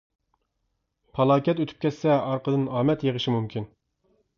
پالاكەت ئۆتۈپ كەتسە ئارقىدىن ئامەت يېغىشى مۇمكىن.